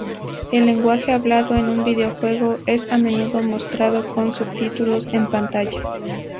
El lenguaje hablado en un videojuego es a menudo mostrado con subtítulos en pantalla.